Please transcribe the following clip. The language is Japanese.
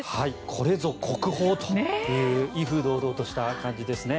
これぞ国宝という威風堂々とした感じですね。